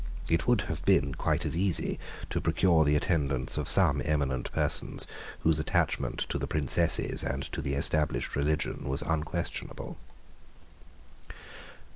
It would have been quite as easy to procure the attendance of some eminent persons whose attachment to the Princesses and to the established religion was unquestionable.